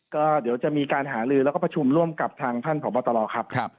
ก็เดี๋ยวจะมีการหาลือแล้วก็ประชุมร่วมกับทางท่านผอบตรครับ